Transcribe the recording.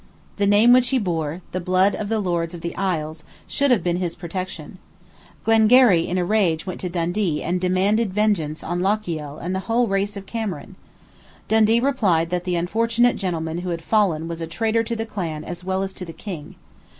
The name which he bore, the blood of the Lords of the Isles, should have been his protection. Glengarry in a rage went to Dundee and demanded vengeance on Lochiel and the whole race of Cameron. Dundee replied that the unfortunate gentleman who had fallen was a traitor to the clan as well as to the King.